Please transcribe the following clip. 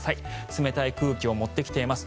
冷たい空気を持ってきています。